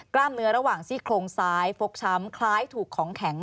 กล้ามเนื้อระหว่างซี่โครงซ้ายฟกช้ำคล้ายถูกของแข็ง